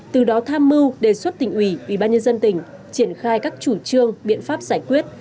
từ đó tham mưu đề xuất tỉnh ủy ubnd tỉnh triển khai các chủ trương biện pháp giải quyết